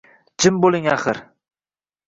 — Jim bo’ling, axir.